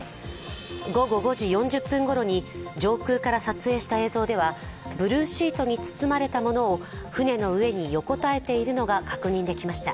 午後５時４０分ごろに上空から撮影した映像では、ブルーシートに包まれたものを船の横に横たえているのが確認できました。